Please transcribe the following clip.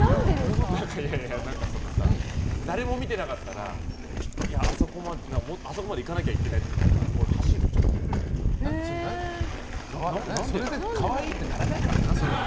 誰も見てなかったら、あそこまで行かなきゃいけないってなったらそれで可愛いってならないからな。